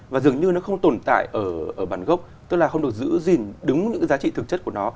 và dường như nó không tồn tại ở bản gốc tức là không được giữ gìn đứng những cái giá trị thực chất của nó